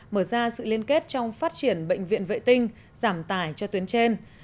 mở ra sự liên kết trong phát triển bệnh viện vệ tinh giảm tải cho tuyến trên